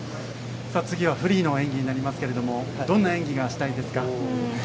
次はフリーの演技ですがどんな演技がしたいですか？